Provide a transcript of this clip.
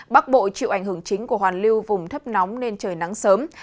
bắc bộ chịu ảnh hưởng chính của hoàn lưu vùng thấp nóng nên trời nắng sớm